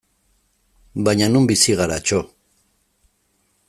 Baina non bizi gara, txo!